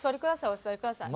お座りください。